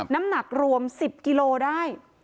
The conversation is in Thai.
น้ำหนักรวม๑๐กิโลได้